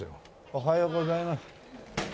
おはようございます。